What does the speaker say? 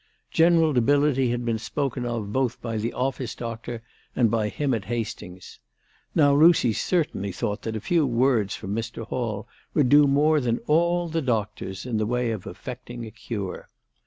General debility had been spoken of both by the office doctor and by him at Hastings. Now Lucy certainly thought that a few words from Mr. Hall would do more than all the doctors in the way of effecting a cure.